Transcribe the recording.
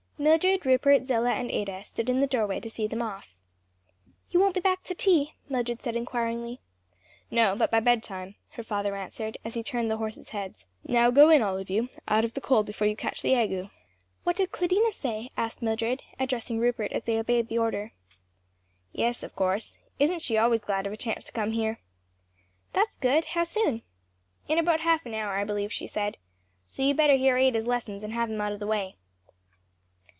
Mildred, Rupert, Zillah and Ada stood in the doorway to see them off. "You won't be back to tea?" Mildred said inquiringly. "No; but by bedtime," her father answered as he turned the horses' heads. "Now go in, all of you, out of the cold before you catch the ague." "What did Claudina say?" asked Mildred, addressing Rupert as they obeyed the order. "Yes, of course; isn't she always glad of a chance to come here?" "That's good. How soon?" "In about half an hour, I believe she said. So you'd better hear Ada's lessons and have them out of the way."